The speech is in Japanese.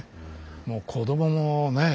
もう子どももね